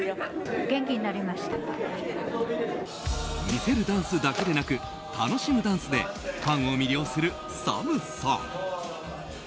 魅せるダンスだけでなく楽しむダンスでファンを魅了するＳＡＭさん。